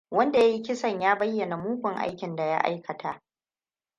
Wanda ya yi kisan ya bayyana mugun aikin da ya aikata.